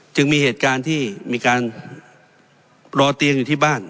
จึงมีเหตุการณ์ที่มีการรอเตียงอยู่ที่บ้าน